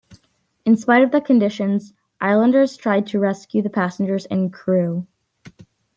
In spite of the conditions, islanders tried to rescue the passengers and crew.